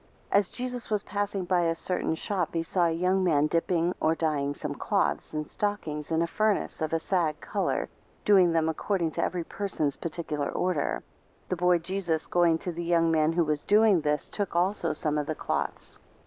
AS Jesus was passing by a certain shop, he saw a young man dipping (or dyeing) some cloths and stockings in a furnace, of a sad colour, doing them according to every person's particular order; 2 The boy Jesus going to the young man who was doing this, took also some of the cloths